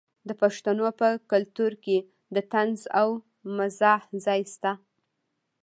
د پښتنو په کلتور کې د طنز او مزاح ځای شته.